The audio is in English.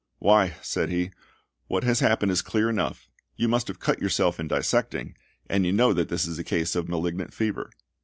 "Why," said he, "what has happened is clear enough: you must have cut yourself in dissecting, and you know that this is a case of malignant fever."